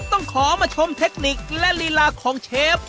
ต้องขอมาชมเทคนิคและลีลาของเชฟ